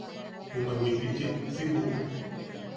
Jume wikichim si buʼu.